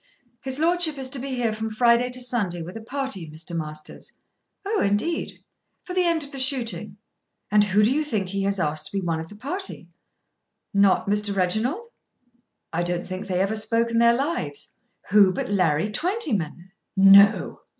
"His lordship is to be here from Friday to Sunday with a party, Mr. Masters." "Oh, indeed." "For the end of the shooting. And who do you think he has asked to be one of the party?" "Not Mr. Reginald?" "I don't think they ever spoke in their lives. Who but Larry Twentyman!" "No!"